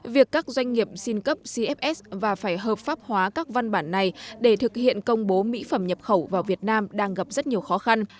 việc các doanh nghiệp xin cấp cfs và phải hợp pháp hóa các văn bản này để thực hiện công bố mỹ phẩm nhập khẩu vào việt nam đang gặp rất nhiều khó khăn